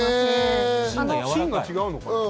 芯が違うのかな？